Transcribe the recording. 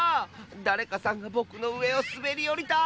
だれかさんがぼくのうえをすべりおりた！